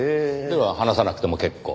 では話さなくても結構。